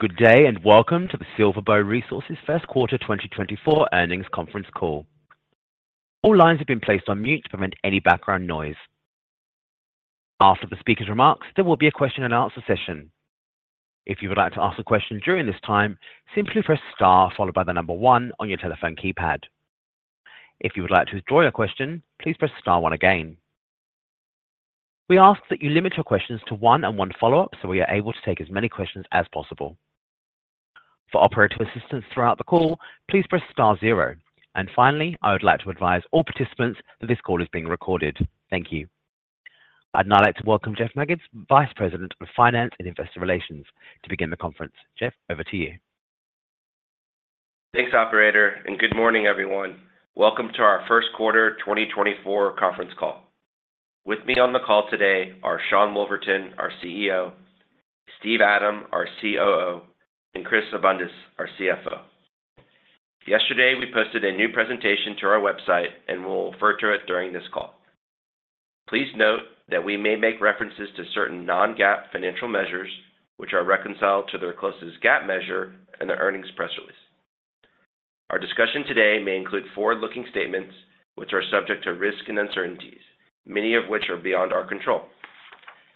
Good day, and welcome to the SilverBow Resources First Quarter 2024 Earnings Conference Call. All lines have been placed on mute to prevent any background noise. After the speaker's remarks, there will be a question and answer session. If you would like to ask a question during this time, simply press star followed by the number 1 on your telephone keypad. If you would like to withdraw your question, please press star 1 again. We ask that you limit your questions to one and one follow-up, so we are able to take as many questions as possible. For operator assistance throughout the call, please press star 0. And finally, I would like to advise all participants that this call is being recorded. Thank you. I'd now like to welcome Jeff Magids, Vice President of Finance and Investor Relations, to begin the conference. Jeff, over to you. Thanks, operator, and good morning, everyone. Welcome to our first quarter 2024 conference call. With me on the call today are Sean Wolverton, our CEO, Steve Adam, our COO, and Chris Abundis, our CFO. Yesterday, we posted a new presentation to our website, and we'll refer to it during this call. Please note that we may make references to certain non-GAAP financial measures, which are reconciled to their closest GAAP measure in the earnings press release. Our discussion today may include forward-looking statements, which are subject to risks and uncertainties, many of which are beyond our control.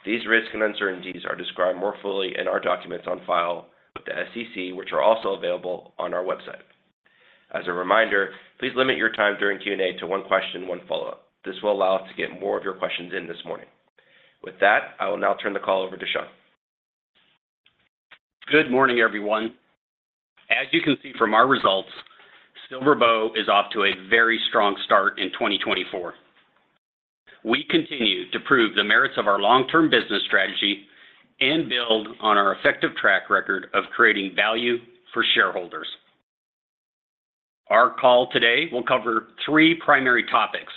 These risks and uncertainties are described more fully in our documents on file with the SEC, which are also available on our website. As a reminder, please limit your time during Q&A to one question, one follow-up. This will allow us to get more of your questions in this morning. With that, I will now turn the call over to Sean. Good morning, everyone. As you can see from our results, SilverBow is off to a very strong start in 2024. We continue to prove the merits of our long-term business strategy and build on our effective track record of creating value for shareholders. Our call today will cover three primary topics.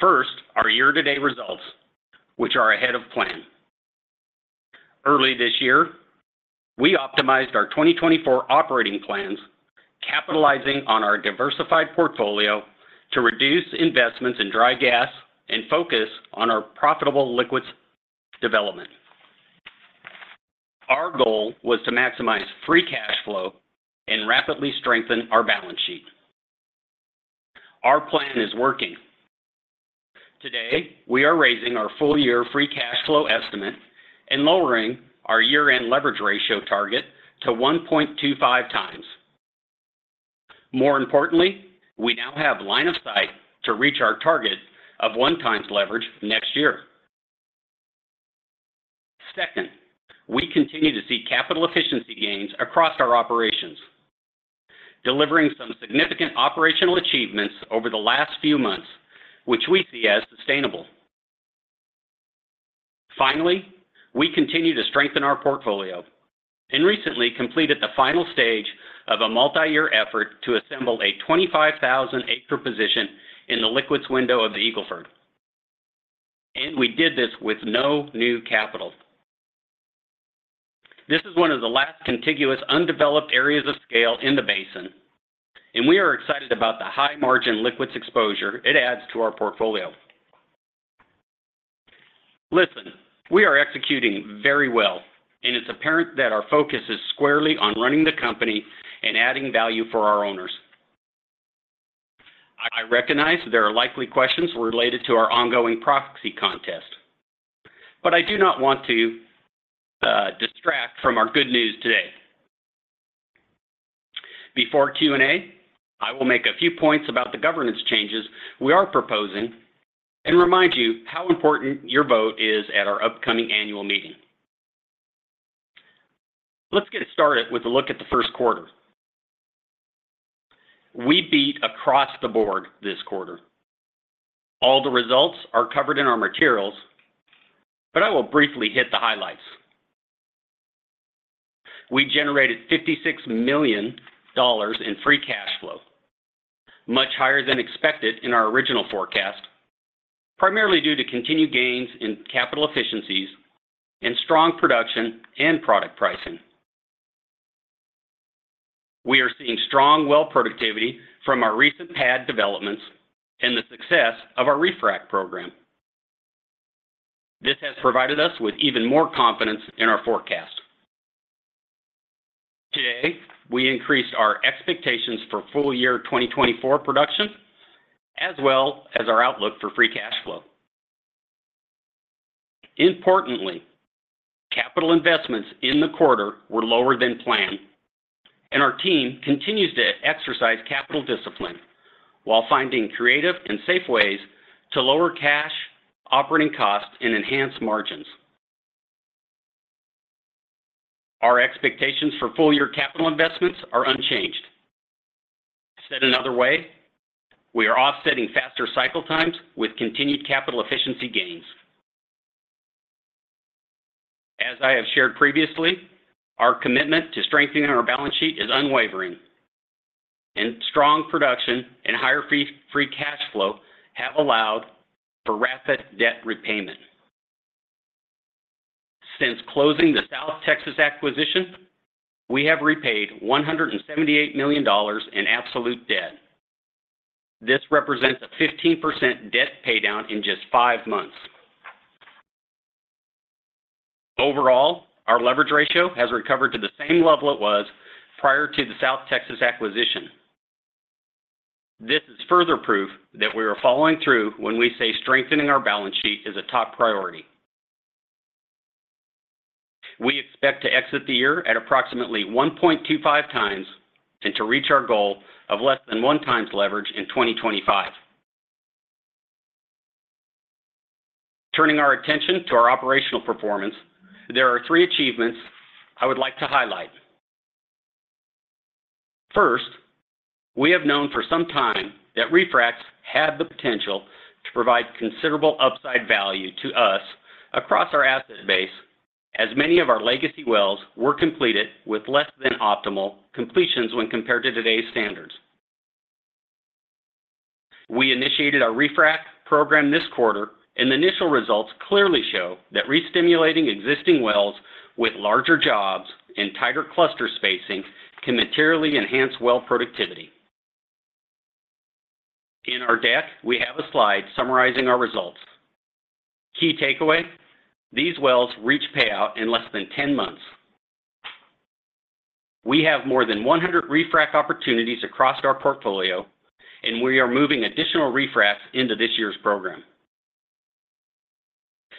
First, our year-to-date results, which are ahead of plan. Early this year, we optimized our 2024 operating plans, capitalizing on our diversified portfolio to reduce investments in dry gas and focus on our profitable liquids development. Our goal was to maximize free cash flow and rapidly strengthen our balance sheet. Our plan is working. Today, we are raising our full year free cash flow estimate and lowering our year-end leverage ratio target to 1.25x. More importantly, we now have line of sight to reach our target of 1x leverage next year. Second, we continue to see capital efficiency gains across our operations, delivering some significant operational achievements over the last few months, which we see as sustainable. Finally, we continue to strengthen our portfolio and recently completed the final stage of a multi-year effort to assemble a 25,000-acre position in the liquids window of the Eagle Ford. We did this with no new capital. This is one of the last contiguous, undeveloped areas of scale in the basin, and we are excited about the high-margin liquids exposure it adds to our portfolio. Listen, we are executing very well, and it's apparent that our focus is squarely on running the company and adding value for our owners. I recognize there are likely questions related to our ongoing proxy contest, but I do not want to distract from our good news today. Before Q&A, I will make a few points about the governance changes we are proposing and remind you how important your vote is at our upcoming annual meeting. Let's get started with a look at the first quarter. We beat across the board this quarter. All the results are covered in our materials, but I will briefly hit the highlights. We generated $56 million in free cash flow, much higher than expected in our original forecast, primarily due to continued gains in capital efficiencies and strong production and product pricing. We are seeing strong well productivity from our recent pad developments and the success of our refrac program. This has provided us with even more confidence in our forecast. Today, we increased our expectations for full-year 2024 production, as well as our outlook for free cash flow. Importantly, capital investments in the quarter were lower than planned, and our team continues to exercise capital discipline while finding creative and safe ways to lower cash operating costs and enhance margins. Our expectations for full-year capital investments are unchanged. Said another way, we are offsetting faster cycle times with continued capital efficiency gains. As I have shared previously, our commitment to strengthening our balance sheet is unwavering, and strong production and higher free cash flow have allowed for rapid debt repayment. Since closing the South Texas acquisition, we have repaid $178 million in absolute debt. This represents a 15% debt paydown in just 5 months. Overall, our leverage ratio has recovered to the same level it was prior to the South Texas acquisition. This is further proof that we are following through when we say strengthening our balance sheet is a top priority. We expect to exit the year at approximately 1.25x, and to reach our goal of less than 1x leverage in 2025. Turning our attention to our operational performance, there are three achievements I would like to highlight. First, we have known for some time that refracs have the potential to provide considerable upside value to us across our asset base, as many of our legacy wells were completed with less than optimal completions when compared to today's standards. We initiated our refrac program this quarter, and the initial results clearly show that re-stimulating existing wells with larger jobs and tighter cluster spacing can materially enhance well productivity. In our deck, we have a slide summarizing our results. Key takeaway, these wells reach payout in less than 10 months. We have more than 100 refrac opportunities across our portfolio, and we are moving additional refracs into this year's program.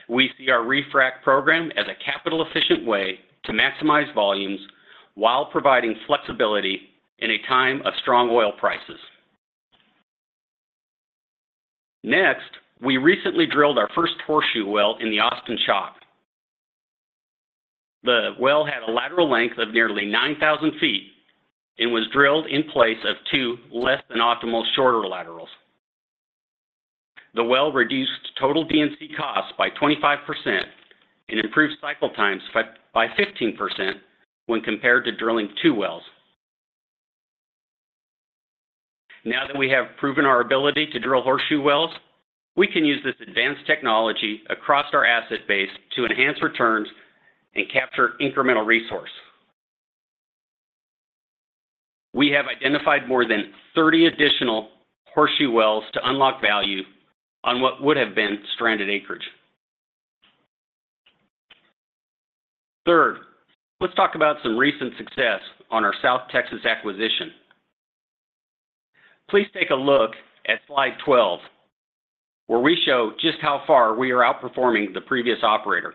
We see our refrac program as a capital-efficient way to maximize volumes while providing flexibility in a time of strong oil prices. Next, we recently drilled our first horseshoe well in the Austin Chalk. The well had a lateral length of nearly 9,000 feet and was drilled in place of two less than optimal shorter laterals. The well reduced total D&C costs by 25% and improved cycle times by 15% when compared to drilling two wells. Now that we have proven our ability to drill horseshoe wells, we can use this advanced technology across our asset base to enhance returns and capture incremental resource. We have identified more than 30 additional horseshoe wells to unlock value on what would have been stranded acreage. Third, let's talk about some recent success on our South Texas acquisition. Please take a look at slide 12, where we show just how far we are outperforming the previous operator.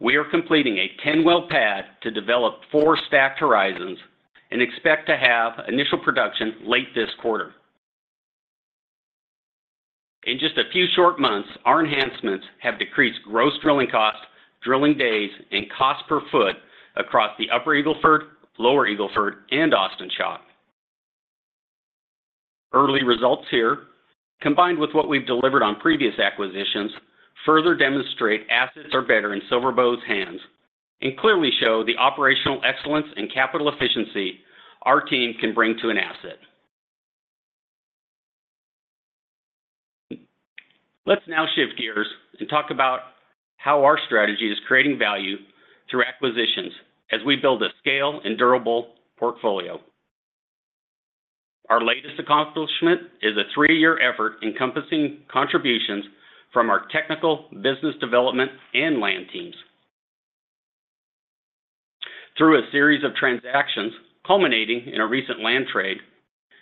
We are completing a 10-well pad to develop 4 stacked horizons and expect to have initial production late this quarter. In just a few short months, our enhancements have decreased gross drilling costs, drilling days, and cost per foot across the Upper Eagle Ford, Lower Eagle Ford, and Austin Chalk. Early results here, combined with what we've delivered on previous acquisitions, further demonstrate assets are better in SilverBow's hands and clearly show the operational excellence and capital efficiency our team can bring to an asset. Let's now shift gears and talk about how our strategy is creating value through acquisitions as we build a scale and durable portfolio. Our latest accomplishment is a 3-year effort encompassing contributions from our technical, business development, and land teams. Through a series of transactions culminating in a recent land trade,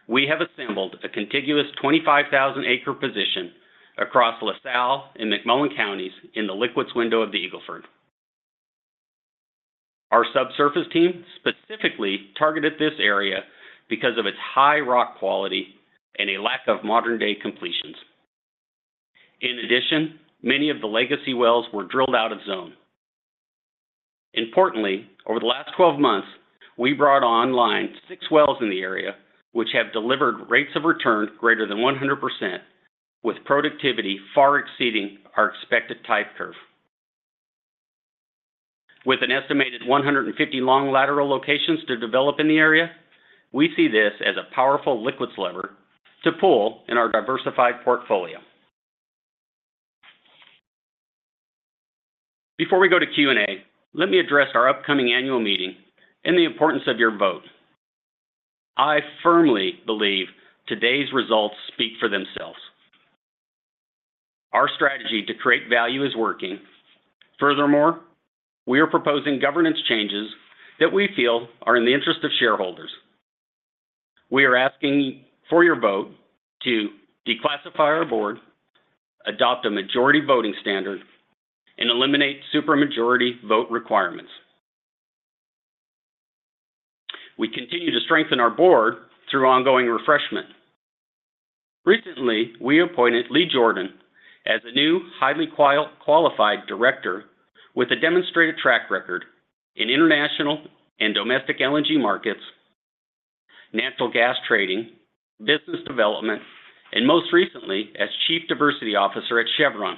we have assembled a contiguous 25,000-acre position across La Salle and McMullen counties in the liquids window of the Eagle Ford. Our subsurface team specifically targeted this area because of its high rock quality and a lack of modern-day completions. In addition, many of the legacy wells were drilled out of zone. Importantly, over the last 12 months, we brought online 6 wells in the area, which have delivered rates of return greater than 100%, with productivity far exceeding our expected type curve. With an estimated 150 long lateral locations to develop in the area, we see this as a powerful liquids lever to pull in our diversified portfolio. Before we go to Q&A, let me address our upcoming annual meeting and the importance of your vote. I firmly believe today's results speak for themselves. Our strategy to create value is working. Furthermore, we are proposing governance changes that we feel are in the interest of shareholders. We are asking for your vote to declassify our board, adopt a majority voting standard, and eliminate supermajority vote requirements. We continue to strengthen our board through ongoing refreshment. Recently, we appointed Lee Jourdan as a new highly qualified director with a demonstrated track record in international and domestic LNG markets, natural gas trading, business development, and most recently, as Chief Diversity Officer at Chevron.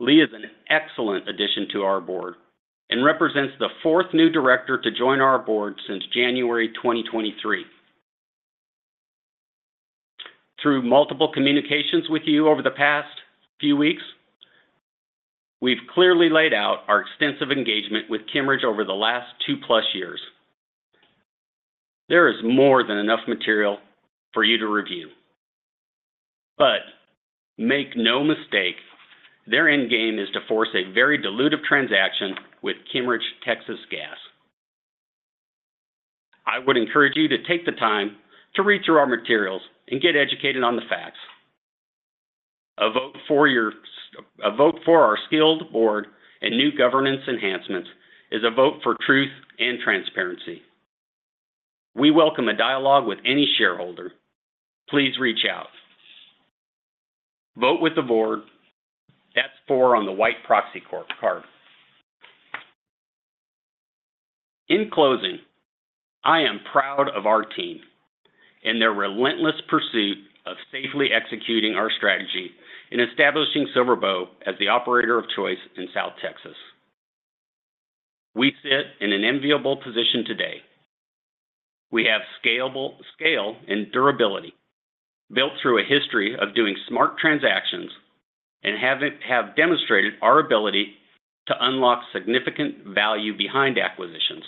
Lee is an excellent addition to our board and represents the fourth new director to join our board since January 2023. Through multiple communications with you over the past few weeks, we've clearly laid out our extensive engagement with Kimmeridge over the last two plus years. There is more than enough material for you to review, but make no mistake, their end game is to force a very dilutive transaction with Kimmeridge Texas Gas. I would encourage you to take the time to read through our materials and get educated on the facts. A vote for our skilled board and new governance enhancements is a vote for truth and transparency. We welcome a dialogue with any shareholder. Please reach out. Vote with the board. That's four on the white proxy card. In closing, I am proud of our team and their relentless pursuit of safely executing our strategy in establishing SilverBow as the operator of choice in South Texas. We sit in an enviable position today. We have scalable scale and durability, built through a history of doing smart transactions and have demonstrated our ability to unlock significant value behind acquisitions.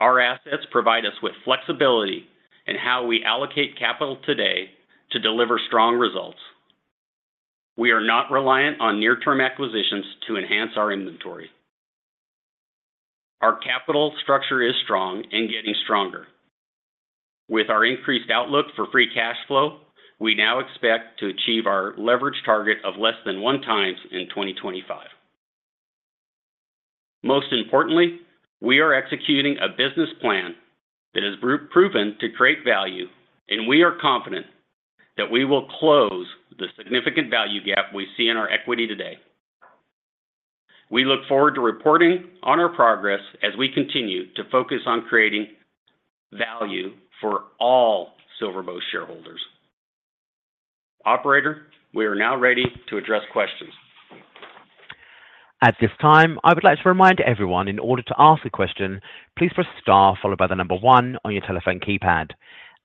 Our assets provide us with flexibility in how we allocate capital today to deliver strong results. We are not reliant on near-term acquisitions to enhance our inventory. Our capital structure is strong and getting stronger. With our increased outlook for free cash flow, we now expect to achieve our leverage target of less than 1x in 2025. Most importantly, we are executing a business plan that has proven to create value, and we are confident that we will close the significant value gap we see in our equity today. We look forward to reporting on our progress as we continue to focus on creating value for all SilverBow shareholders. Operator, we are now ready to address questions. At this time, I would like to remind everyone, in order to ask a question, please press star followed by the number 1 on your telephone keypad,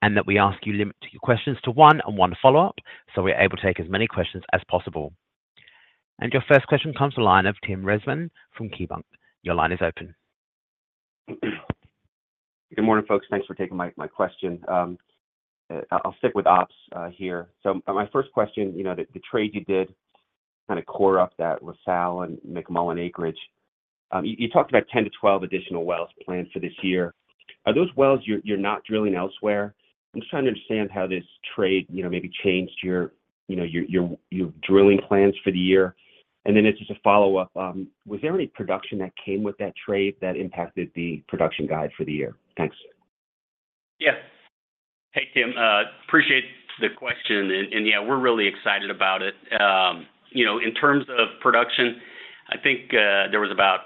and that we ask you to limit your questions to 1 and 1 follow-up, so we are able to take as many questions as possible. Your first question comes to the line of Tim Rezvan from KeyBank. Your line is open. Good morning, folks. Thanks for taking my question. I'll stick with ops here. So my first question, you know, the trade you did, kind of core up that La Salle and McMullen acreage. You talked about 10-12 additional wells planned for this year. Are those wells you're not drilling elsewhere? I'm just trying to understand how this trade, you know, maybe changed your drilling plans for the year. And then just as a follow-up, was there any production that came with that trade that impacted the production guide for the year? Thanks. Yes. Hey, Tim, appreciate the question. And, yeah, we're really excited about it. You know, in terms of production, I think, there was about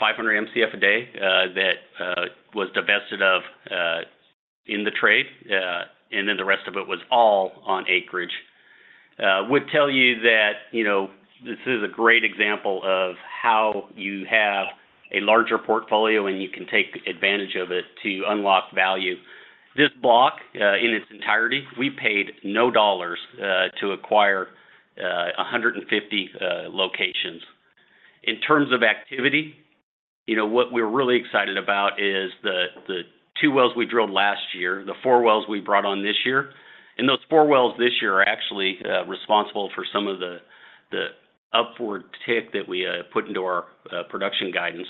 500 Mcf a day that was divested of in the trade, and then the rest of it was all on acreage. Would tell you that, you know, this is a great example of how you have a larger portfolio, and you can take advantage of it to unlock value. This block, in its entirety, we paid $0 to acquire 150 locations. In terms of activity, you know, what we're really excited about is the 2 wells we drilled last year, the 4 wells we brought on this year, and those 4 wells this year are actually responsible for some of the upward tick that we put into our production guidance.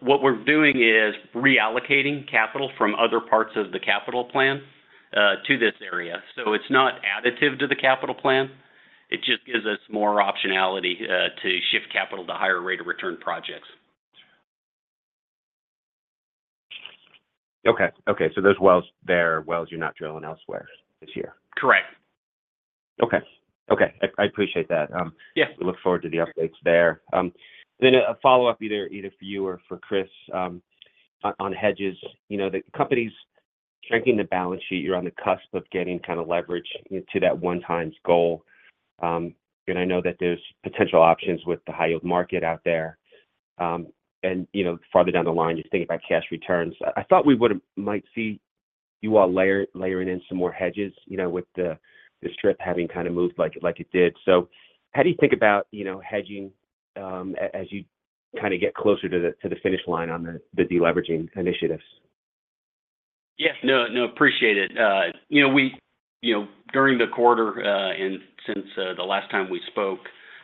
What we're doing is reallocating capital from other parts of the capital plan to this area. So it's not additive to the capital plan. It just gives us more optionality to shift capital to higher rate of return projects. Okay. Okay, so those wells there, wells you're not drilling elsewhere this year? Correct. Okay. Okay, I appreciate that. Yes. We look forward to the updates there. Then a follow-up either for you or for Chris on hedges. You know, the company's shrinking the balance sheet. You're on the cusp of getting kind of leverage to that 1x goal. And I know that there's potential options with the high-yield market out there. And, you know, farther down the line, you think about cash returns. I thought we might see you all layering in some more hedges, you know, with the strip having kind of moved like it did. So how do you think about, you know, hedging as you kind of get closer to the finish line on the deleveraging initiatives? Yes. No, no, appreciate it. You know, we, you know, during the quarter, and since the last time we spoke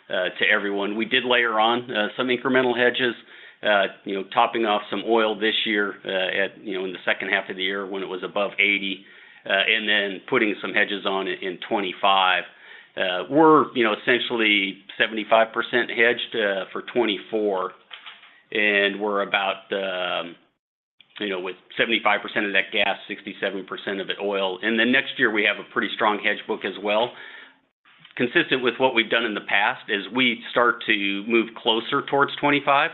to everyone, we did layer on some incremental hedges, you know, topping off some oil this year, at, you know, in the second half of the year when it was above 80, and then putting some hedges on it in 2025. We're, you know, essentially 75% hedged for 2024, and we're about, you know, with 75% of that gas, 67% of it oil. And then next year, we have a pretty strong hedge book as well. Consistent with what we've done in the past, as we start to move closer towards 2025,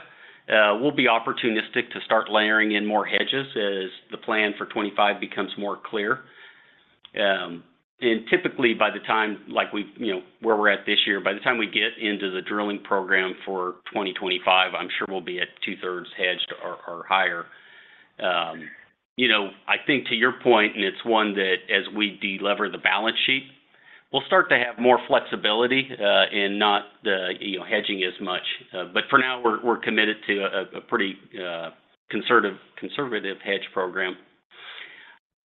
we'll be opportunistic to start layering in more hedges as the plan for 2025 becomes more clear. And typically, by the time you know, where we're at this year, by the time we get into the drilling program for 2025, I'm sure we'll be at two-thirds hedged or higher. You know, I think to your point, and it's one that as we de-lever the balance sheet, we'll start to have more flexibility in not the, you know, hedging as much. But for now, we're committed to a pretty conservative hedge program.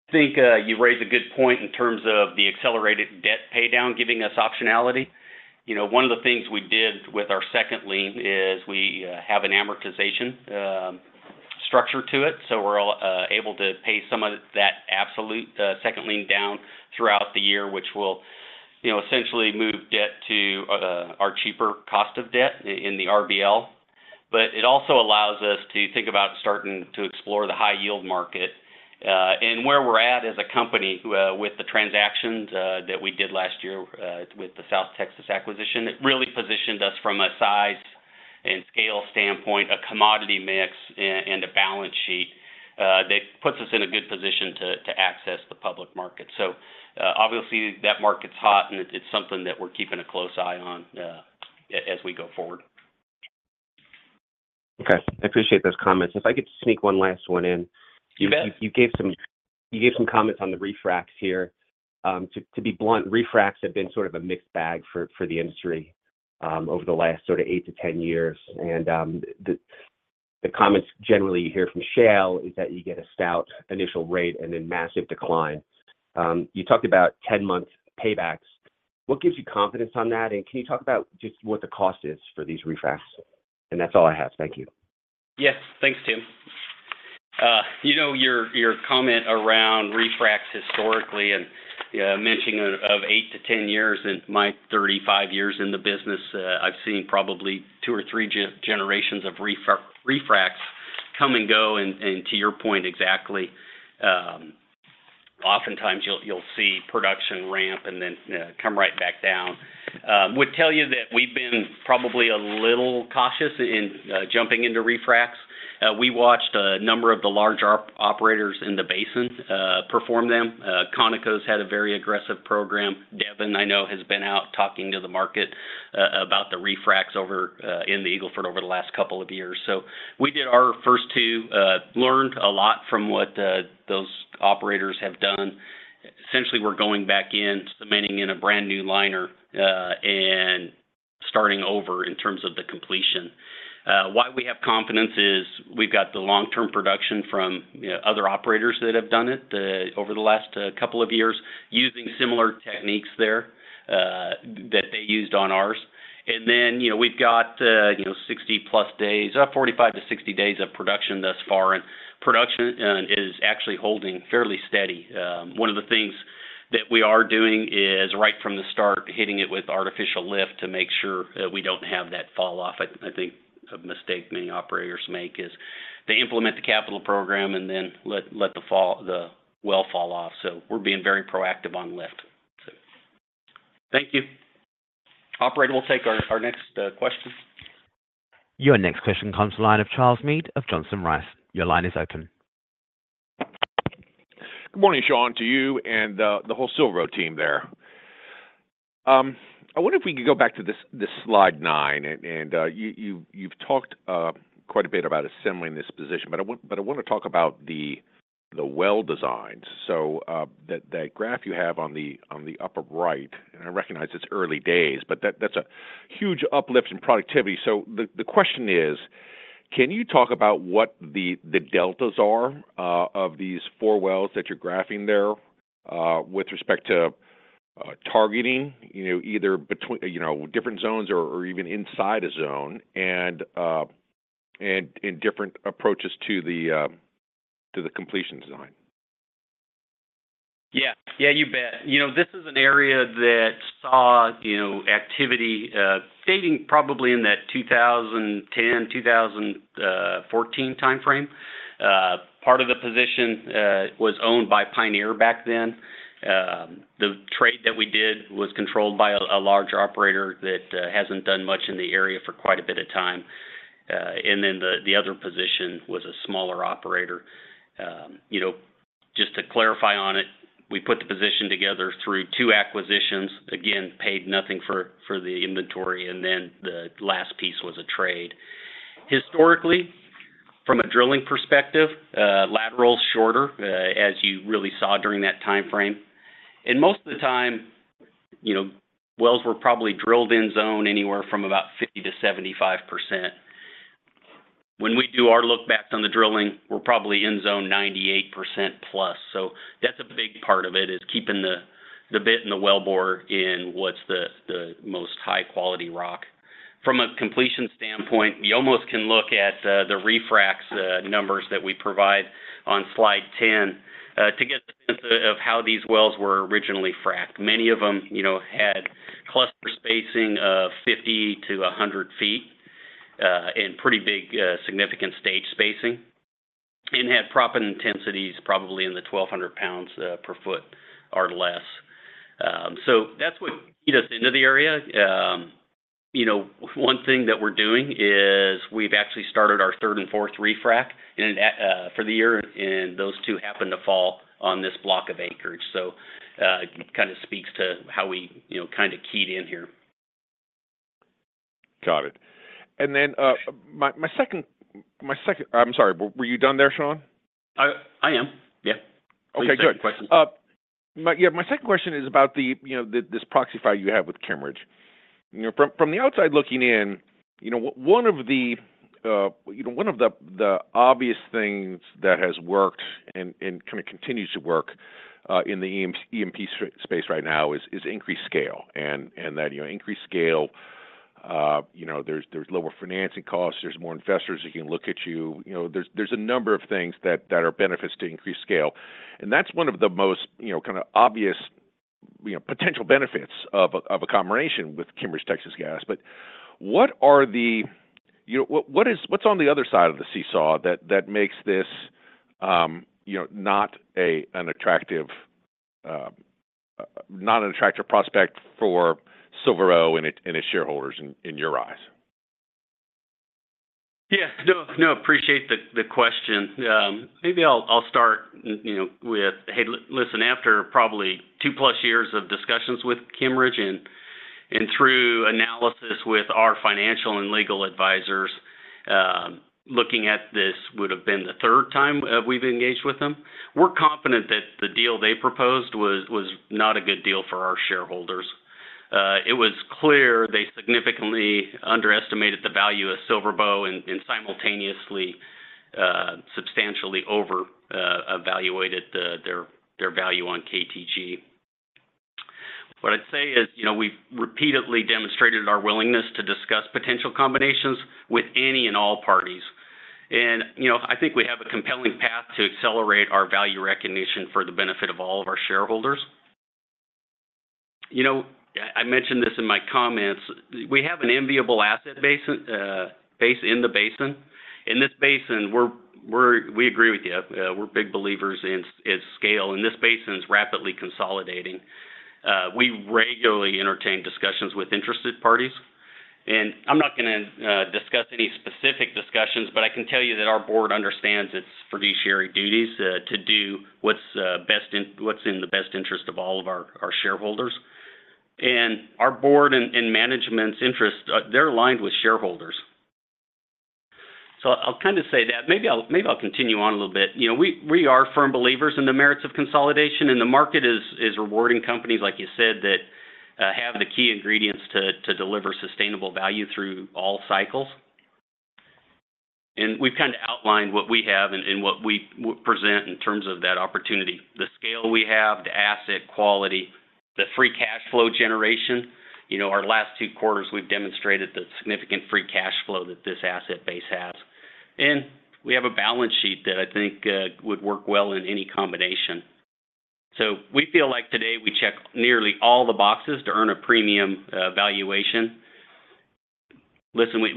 I think you raised a good point in terms of the accelerated debt paydown giving us optionality. You know, one of the things we did with our second lien is we have an amortization structure to it, so we're able to pay some of that absolute second lien down throughout the year, which will, you know, essentially move debt to our cheaper cost of debt in the RBL. But it also allows us to think about starting to explore the high yield market. And where we're at as a company with the transactions that we did last year with the South Texas acquisition, it really positioned us from a size and scale standpoint, a commodity mix, and a balance sheet that puts us in a good position to access the public market. So, obviously, that market's hot, and it's something that we're keeping a close eye on, as we go forward. Okay. I appreciate those comments. If I could sneak one last one in. You bet. You gave some comments on the refracs here. To be blunt, refracs have been sort of a mixed bag for the industry over the last sort of 8-10 years. The comments generally you hear from shale is that you get a stout initial rate and then massive decline. You talked about 10-month paybacks. What gives you confidence on that? And can you talk about just what the cost is for these refracs? And that's all I have. Thank you. Yes. Thanks, Tim. You know, your comment around refracs historically and mentioning of 8-10 years. In my 35 years in the business, I've seen probably 2 or 3 generations of refracs come and go, and to your point, exactly, oftentimes you'll see production ramp and then come right back down. Would tell you that we've been probably a little cautious in jumping into refracs. We watched a number of the large operators in the basin perform them. Conoco's had a very aggressive program. Devon, I know, has been out talking to the market about the refracs over in the Eagle Ford over the last couple of years. So we did our first 2, learned a lot from what those operators have done. Essentially, we're going back in, cementing in a brand-new liner, and starting over in terms of the completion. Why we have confidence is we've got the long-term production from, you know, other operators that have done it over the last couple of years, using similar techniques there that they used on ours. And then, you know, we've got 60+ days, 45-60 days of production thus far, and production is actually holding fairly steady. One of the things that we are doing is, right from the start, hitting it with artificial lift to make sure we don't have that falloff. I think a mistake many operators make is they implement the capital program and then let the well fall off. So we're being very proactive on lift. So thank you. Operator, we'll take our next question. Your next question comes to the line of Charles Meade of Johnson Rice. Your line is open. Good morning, Sean, to you and the whole SilverBow team there. I wonder if we could go back to this slide 9, and you've talked quite a bit about assembling this position, but I wanna talk about the well designs. So that graph you have on the upper right, and I recognize it's early days, but that's a huge uplift in productivity. So the question is: Can you talk about what the deltas are of these 4 wells that you're graphing there with respect to targeting, you know, either between different zones or even inside a zone and different approaches to the completion design? Yeah. Yeah, you bet. You know, this is an area that saw, you know, activity, dating probably in that 2010-2014 timeframe. Part of the position was owned by Pioneer back then. The trade that we did was controlled by a large operator that hasn't done much in the area for quite a bit of time. And then the other position was a smaller operator. You know, just to clarify on it, we put the position together through two acquisitions. Again, paid nothing for the inventory, and then the last piece was a trade. Historically, from a drilling perspective, lateral is shorter, as you really saw during that timeframe. And most of the time, you know, wells were probably drilled in zone anywhere from about 50%-75%. When we do our look-backs on the drilling, we're probably in zone 98%+. So that's a big part of it, is keeping the bit and the wellbore in what's the most high-quality rock. From a completion standpoint, we almost can look at the refracs numbers that we provide on slide 10 to get a sense of how these wells were originally fracked. Many of them, you know, had cluster spacing of 50-100 feet and pretty big significant stage spacing, and had proppant intensities, probably in the 1,200 pounds per foot or less. So that's what, you know, the area... You know, one thing that we're doing is we've actually started our third and fourth refrac in for the year, and those two happen to fall on this block of anchorage. So, it kinda speaks to how we, you know, kinda keyed in here. ...Got it. And then, my second, I'm sorry, were you done there, Sean? I am, yeah. Okay, good. Please ask your question. Yeah, my second question is about the this proxy fight you have with Kimmeridge. You know, from the outside looking in, you know, one of the obvious things that has worked and kind of continues to work in the E&P space right now is increased scale. And that increased scale, you know, there's lower financing costs, there's more investors who can look at you. You know, there's a number of things that are benefits to increased scale, and that's one of the most, you know, kinda obvious potential benefits of a combination with Kimmeridge Texas Gas. But what are the you know, what is what's on the other side of the seesaw that makes this, you know, not an attractive prospect for SilverBow and its shareholders in your eyes? Yeah. No, no, I appreciate the question. Maybe I'll start, you know, with... Hey, listen, after probably 2+ years of discussions with Kimmeridge and through analysis with our financial and legal advisors, looking at this would have been the third time we've engaged with them. We're confident that the deal they proposed was not a good deal for our shareholders. It was clear they significantly underestimated the value of SilverBow and simultaneously substantially over evaluated their value on KTG. What I'd say is, you know, we've repeatedly demonstrated our willingness to discuss potential combinations with any and all parties. And, you know, I think we have a compelling path to accelerate our value recognition for the benefit of all of our shareholders. You know, I mentioned this in my comments, we have an enviable asset base in the basin. In this basin, we agree with you. We're big believers in scale, and this basin is rapidly consolidating. We regularly entertain discussions with interested parties, and I'm not gonna discuss any specific discussions, but I can tell you that our board understands its fiduciary duties to do what's in the best interest of all of our shareholders. And our board and management's interest, they're aligned with shareholders. So I'll kind of say that. Maybe I'll continue on a little bit. You know, we are firm believers in the merits of consolidation, and the market is rewarding companies, like you said, that have the key ingredients to deliver sustainable value through all cycles. And we've kind of outlined what we have and what we present in terms of that opportunity. The scale we have, the asset quality, the free cash flow generation. You know, our last two quarters, we've demonstrated the significant free cash flow that this asset base has, and we have a balance sheet that I think would work well in any combination. So we feel like today we check nearly all the boxes to earn a premium valuation. Listen, we've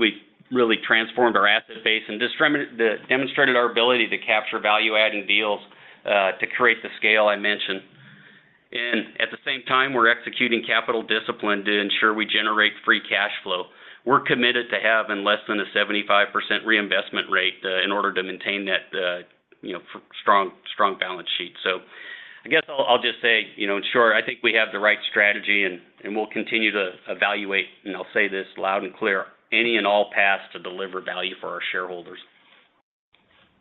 really transformed our asset base and demonstrated our ability to capture value-adding deals to create the scale I mentioned. At the same time, we're executing capital discipline to ensure we generate free cash flow. We're committed to having less than a 75% reinvestment rate, in order to maintain that, you know, strong, strong balance sheet. So I guess I'll, I'll just say, you know, in short, I think we have the right strategy, and, and we'll continue to evaluate, and I'll say this loud and clear, any and all paths to deliver value for our shareholders.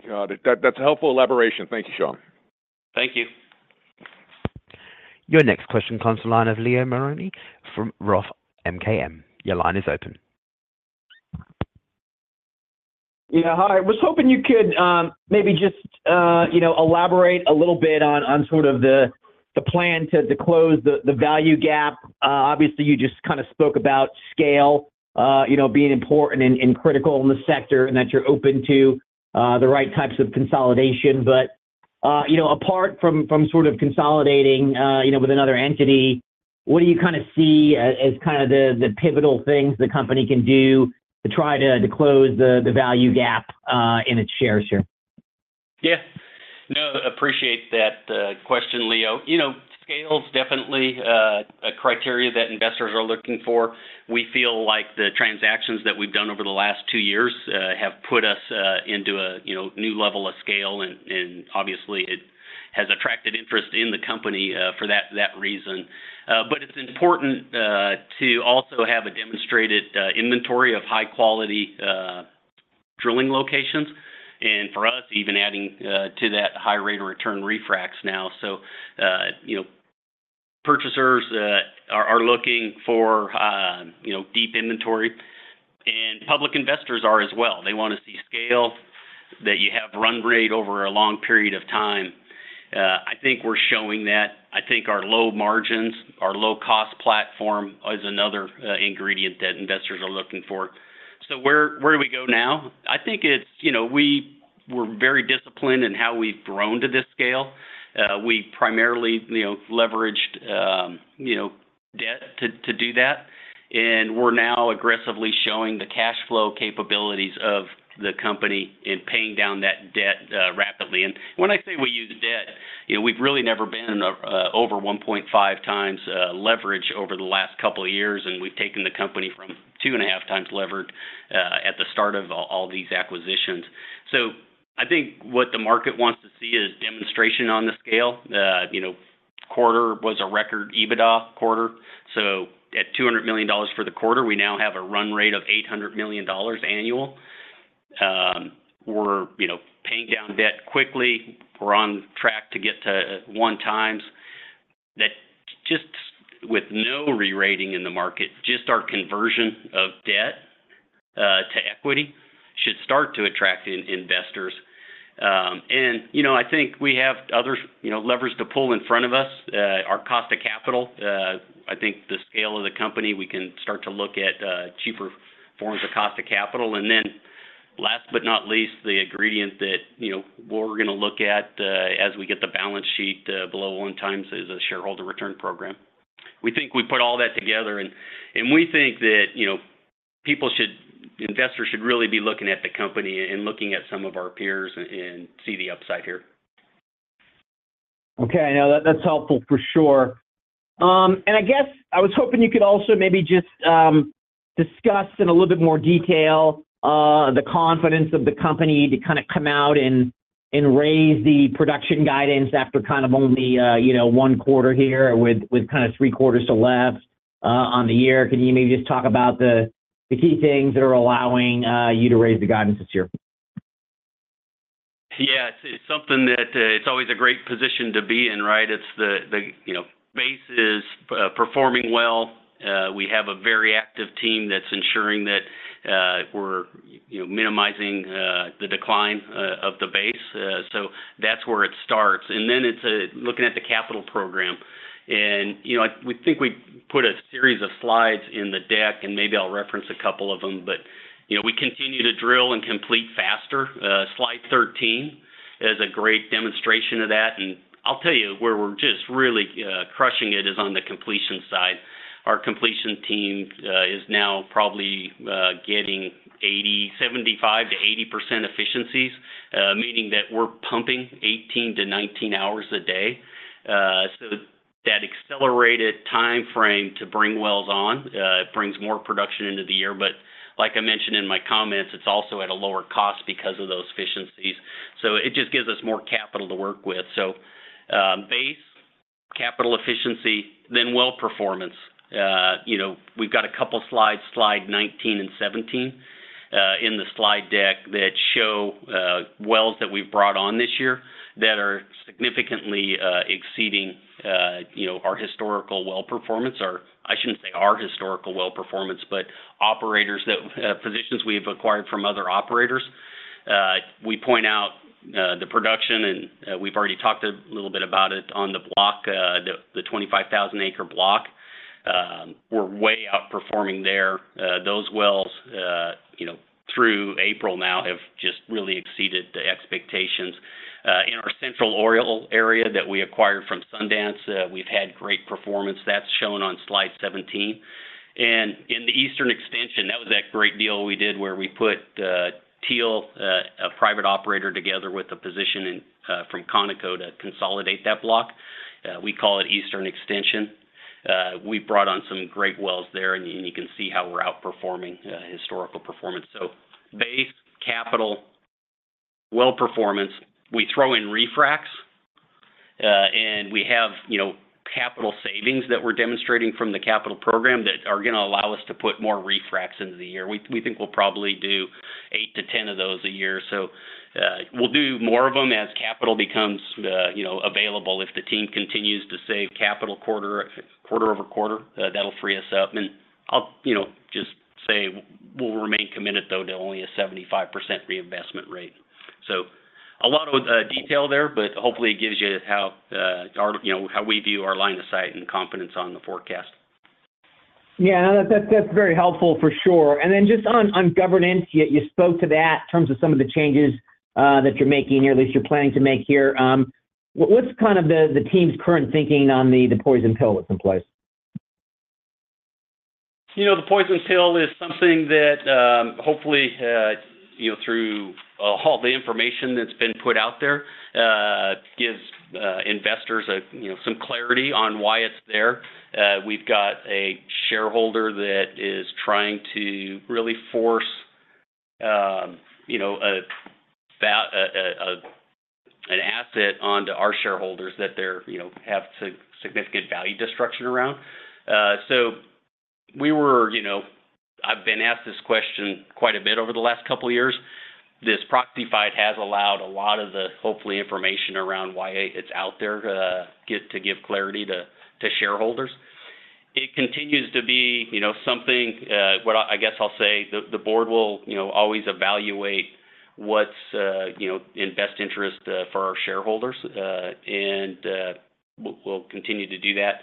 Got it. That, that's a helpful elaboration. Thank you, Sean. Thank you. Your next question comes to line of Leo Mariani from Roth MKM. Your line is open. Yeah, hi. I was hoping you could maybe just you know elaborate a little bit on sort of the plan to close the value gap. Obviously, you just kinda spoke about scale you know being important and critical in the sector, and that you're open to the right types of consolidation. But you know apart from sort of consolidating you know with another entity, what do you kinda see as kind of the pivotal things the company can do to try to close the value gap in its shares here? Yeah. No, appreciate that question, Leo. You know, scale is definitely a criteria that investors are looking for. We feel like the transactions that we've done over the last two years have put us into a, you know, new level of scale, and obviously, it has attracted interest in the company for that reason. But it's important to also have a demonstrated inventory of high quality drilling locations, and for us, even adding to that, high rate of return refracs now. So, you know, purchasers are looking for, you know, deep inventory, and public investors are as well. They wanna see scale, that you have run rate over a long period of time. I think we're showing that. I think our low margins, our low-cost platform is another ingredient that investors are looking for. So where, where do we go now? I think it's, you know, we were very disciplined in how we've grown to this scale. We primarily, you know, leveraged, you know, debt to, to do that, and we're now aggressively showing the cash flow capabilities of the company in paying down that debt rapidly. And when I say we use debt, you know, we've really never been over 1.5 times leverage over the last couple of years, and we've taken the company from 2.5 times levered at the start of all these acquisitions. So I think what the market wants to see is demonstration on the scale. You know, quarter was a record EBITDA quarter, so at $200 million for the quarter, we now have a run rate of $800 million annual. We're, you know, paying down debt quickly. We're on track to get to 1x. That just with no rerating in the market, just our conversion of debt to equity, should start to attract investors. And, you know, I think we have other, you know, levers to pull in front of us. Our cost of capital, I think the scale of the company, we can start to look at cheaper forms of cost of capital. And then last but not least, the ingredient that, you know, we're gonna look at, as we get the balance sheet below 1x, is a shareholder return program. We think we put all that together, and we think that, you know, people should, investors should really be looking at the company and looking at some of our peers and see the upside here. Okay, I know that - that's helpful for sure. And I guess I was hoping you could also maybe just discuss in a little bit more detail the confidence of the company to kinda come out and raise the production guidance after kind of only you know one quarter here, with kinda three quarters left on the year. Can you maybe just talk about the key things that are allowing you to raise the guidance this year? Yeah, it's something that, it's always a great position to be in, right? It's the, you know, base is performing well. We have a very active team that's ensuring that, we're, you know, minimizing the decline of the base. So that's where it starts. And then it's looking at the capital program. And, you know, we think we put a series of slides in the deck, and maybe I'll reference a couple of them. But, you know, we continue to drill and complete faster. Slide 13 is a great demonstration of that. And I'll tell you, where we're just really crushing it is on the completion side. Our completion team is now probably getting 75%-80% efficiencies, meaning that we're pumping 18-19 hours a day. So that accelerated timeframe to bring wells on brings more production into the year. But like I mentioned in my comments, it's also at a lower cost because of those efficiencies. So it just gives us more capital to work with. So, base, capital efficiency, then well performance. You know, we've got a couple of slides, slide 19 and 17, in the slide deck, that show wells that we've brought on this year that are significantly exceeding, you know, our historical well performance, or I shouldn't say our historical well performance, but positions we've acquired from other operators. We point out the production, and we've already talked a little bit about it on the block, the 25,000-acre block. We're way outperforming there. Those wells, you know, through April now, have just really exceeded the expectations. In our Central Oil area that we acquired from Sundance, we've had great performance. That's shown on slide 17. And in the eastern expansion, that was that great deal we did where we put Teal, a private operator, together with a position from Conoco to consolidate that block. We call it Eastern Extension. We brought on some great wells there, and you can see how we're outperforming historical performance. So base, capital, well performance, we throw in refracs, and we have, you know, capital savings that we're demonstrating from the capital program that are gonna allow us to put more refracs into the year. We think we'll probably do 8-10 of those a year. So, we'll do more of them as capital becomes, you know, available. If the team continues to save capital quarter-over-quarter, that'll free us up. And I'll, you know, just say we'll remain committed, though, to only a 75% reinvestment rate. So a lot of detail there, but hopefully it gives you how our... you know, how we view our line of sight and confidence on the forecast. Yeah, that's very helpful for sure. And then just on governance, you spoke to that in terms of some of the changes that you're making here, or at least you're planning to make here. What's kind of the team's current thinking on the poison pill that's in place? You know, the poison pill is something that, hopefully, you know, through all the information that's been put out there, gives investors a, you know, some clarity on why it's there. We've got a shareholder that is trying to really force, you know, an asset onto our shareholders that they're, you know, have significant value destruction around. So we were, you know, I've been asked this question quite a bit over the last couple of years. This proxy fight has allowed a lot of the, hopefully, information around why it's out there, get to give clarity to shareholders. It continues to be, you know, something what I, I guess I'll say, the, the board will, you know, always evaluate what's, you know, in best interest for our shareholders, and we'll, we'll continue to do that.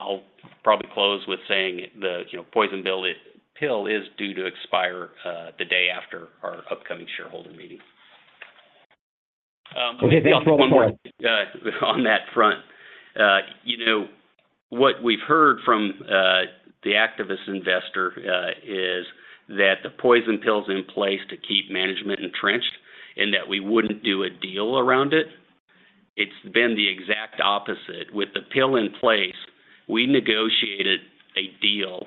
I'll probably close with saying the, you know, poison pill is due to expire the day after our upcoming shareholder meeting. Okay, thanks for the point. On that front, you know, what we've heard from the activist investor is that the poison pill is in place to keep management entrenched and that we wouldn't do a deal around it.... It's been the exact opposite. With the pill in place, we negotiated a deal,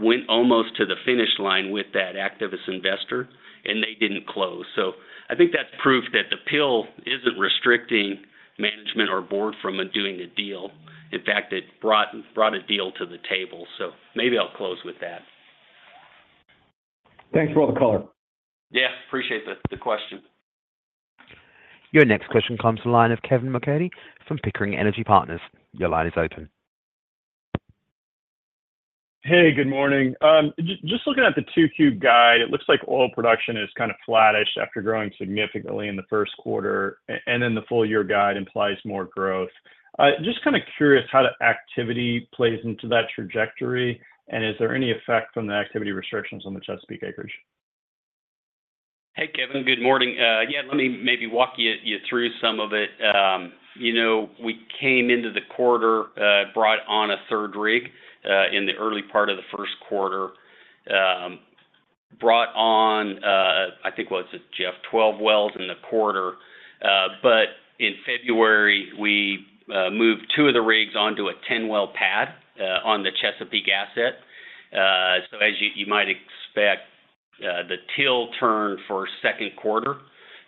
went almost to the finish line with that activist investor, and they didn't close. So I think that's proof that the pill isn't restricting management or board from doing a deal. In fact, it brought, brought a deal to the table. So maybe I'll close with that. Thanks for all the color. Yeah, appreciate the question. Your next question comes from the line of Kevin MacCurdy from Pickering Energy Partners. Your line is open. Hey, good morning. Just looking at the Q2 guide, it looks like oil production is kind of flattish after growing significantly in the first quarter, and then the full year guide implies more growth. Just curious how the activity plays into that trajectory, and is there any effect from the activity restrictions on the Chesapeake acreage? Hey, Kevin, good morning. Yeah, let me maybe walk you through some of it. You know, we came into the quarter, brought on a third rig in the early part of the first quarter. Brought on, I think, what was it, Jeff? 12 wells in the quarter, but in February, we moved two of the rigs onto a 10-well pad on the Chesapeake asset. So as you might expect, the TIL turn for second quarter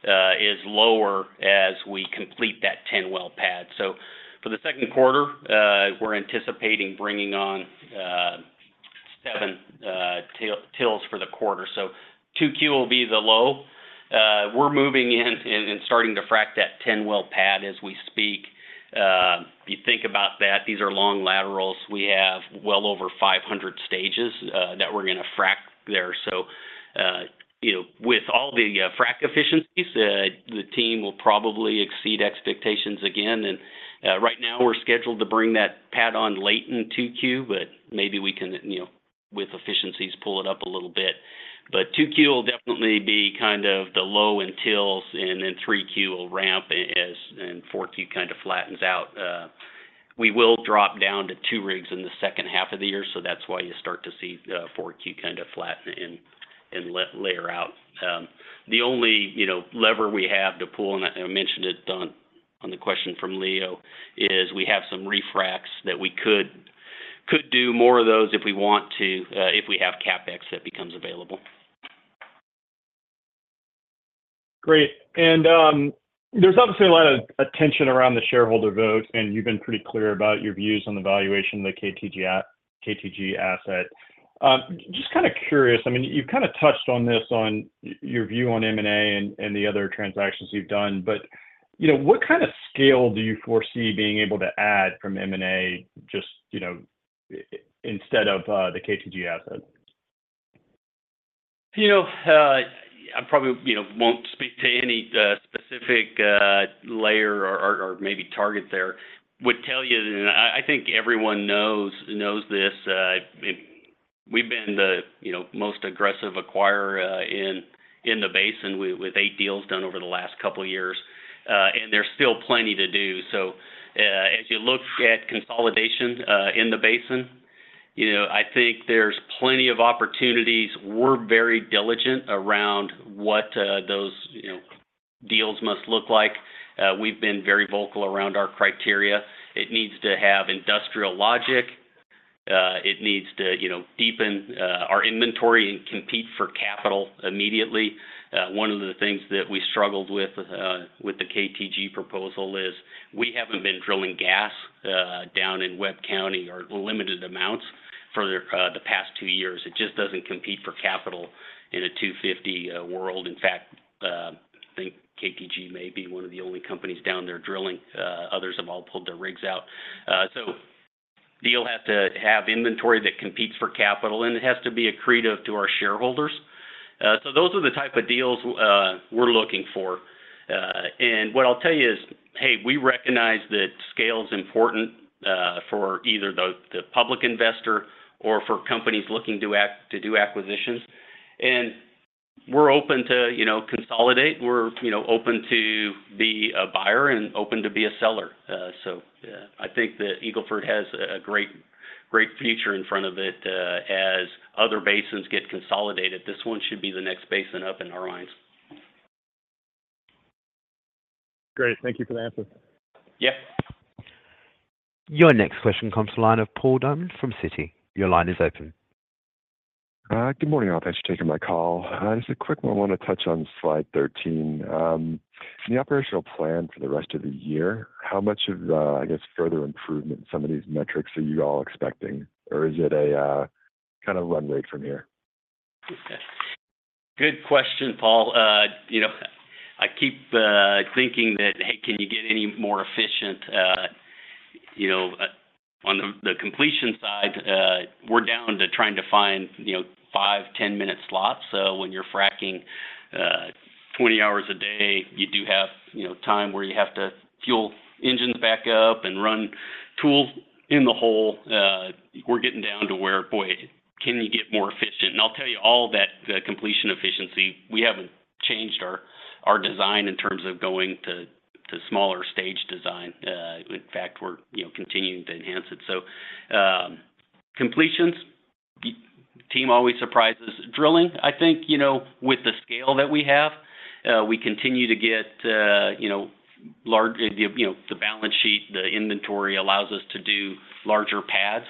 is lower as we complete that 10-well pad. So for the second quarter, we're anticipating bringing on seven TILs for the quarter. So 2Q will be the low. We're moving in and starting to frac that 10-well pad as we speak. You think about that, these are long laterals. We have well over 500 stages that we're gonna frack there. So, you know, with all the frack efficiencies, the team will probably exceed expectations again. And right now, we're scheduled to bring that pad on late in 2Q, but maybe we can, you know, with efficiencies, pull it up a little bit. But 2Q will definitely be kind of the low point, and then 3Q will ramp up, and 4Q kinda flattens out. We will drop down to 2 rigs in the second half of the year, so that's why you start to see 4Q kinda flatten and layer out. The only, you know, lever we have to pull, and I mentioned it on the question from Leo, is we have some refracs that we could do more of those if we want to, if we have CapEx that becomes available. Great. And there's obviously a lot of attention around the shareholder vote, and you've been pretty clear about your views on the valuation of the KTG asset. Just kinda curious, I mean, you've kinda touched on this, on your view on M&A and the other transactions you've done, but you know, what kind of scale do you foresee being able to add from M&A, just you know, instead of the KTG asset? You know, I probably, you know, won't speak to any specific layer or maybe target there. Would tell you, and I think everyone knows this, we've been the, you know, most aggressive acquirer in the basin with eight deals done over the last couple of years, and there's still plenty to do. So, as you look at consolidation in the basin, you know, I think there's plenty of opportunities. We're very diligent around what those, you know, deals must look like. We've been very vocal around our criteria. It needs to have industrial logic. It needs to, you know, deepen our inventory and compete for capital immediately. One of the things that we struggled with with the KTG proposal is we haven't been drilling gas down in Webb County or limited amounts for the the past two years. It just doesn't compete for capital in a $2.50 world. In fact I think KTG may be one of the only companies down there drilling. Others have all pulled their rigs out. So deal has to have inventory that competes for capital, and it has to be accretive to our shareholders. So those are the type of deals we're looking for. And what I'll tell you is, hey, we recognize that scale is important for either the the public investor or for companies looking to ac- to do acquisitions. And we're open to, you know, consolidate. We're, you know, open to be a buyer and open to be a seller. I think that Eagle Ford has a great, great future in front of it, as other basins get consolidated. This one should be the next basin up in our eyes. Great. Thank you for the answer. Yeah. Your next question comes to the line of Paul Diamond from Citi. Your line is open. Good morning, all. Thanks for taking my call. Just a quick one. I want to touch on Slide 13. In the operational plan for the rest of the year, how much of, I guess, further improvement in some of these metrics are you all expecting, or is it a kind of runway from here? Good question, Paul. You know, I keep thinking that, hey, can you get any more efficient, you know, on the completion side, we're down to trying to find, you know, 5, 10-minute slots. So when you're fracking 20 hours a day, you do have, you know, time where you have to fuel engines back up and run tools in the hole. We're getting down to where, boy, can you get more efficient? And I'll tell you all that, the completion efficiency, we haven't changed our design in terms of going to smaller stage design. In fact, we're continuing to enhance it. So, completions. The team always surprises drilling. I think, you know, with the scale that we have, we continue to get, you know, large, you, you know, the balance sheet, the inventory allows us to do larger pads,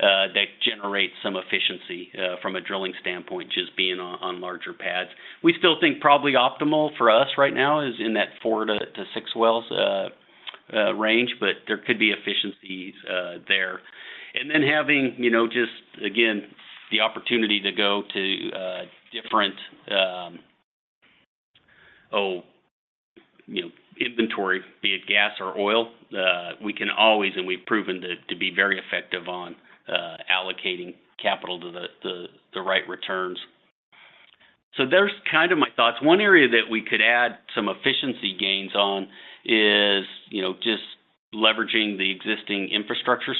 that generate some efficiency, from a drilling standpoint, just being on, on larger pads. We still think probably optimal for us right now is in that 4-6 wells range, but there could be efficiencies, there. And then having, you know, just again, the opportunity to go to, different, you know, inventory, be it gas or oil, we can always, and we've proven to be very effective on, allocating capital to the right returns. So there's kind of my thoughts. One area that we could add some efficiency gains on is, you know, just leveraging the existing infrastructure,